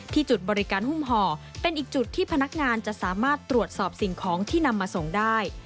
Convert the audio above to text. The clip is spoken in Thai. จุดบริการหุ้มห่อเป็นอีกจุดที่พนักงานจะสามารถตรวจสอบสิ่งของที่นำมาส่งได้